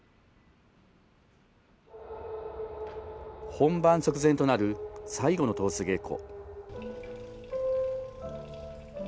本番直前となる最後の通し稽古。